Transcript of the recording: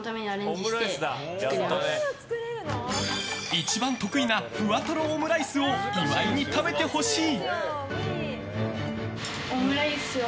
一番得意なふわとろオムライスを岩井に食べてほしい。